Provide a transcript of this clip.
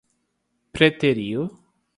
preteriu